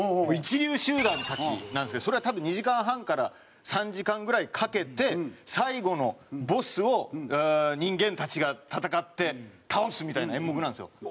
一流集団たちなんですけどそれは多分２時間半から３時間ぐらいかけて最後のボスを人間たちが戦って倒すみたいな演目なんですよ。